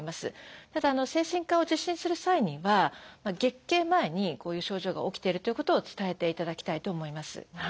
ただ精神科を受診する際には月経前にこういう症状が起きてるということを伝えていただきたいと思います。